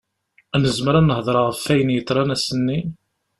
Nezmer ad nehder ɣef ayen yeḍran ass-nni?